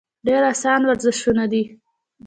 ډېر اسان ورزشونه دي -